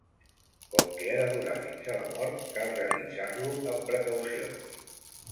Com que ha de durar fins a la mort, cal realitzar-lo amb precaucions.